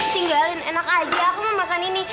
tinggalin enak aja aku mau makan ini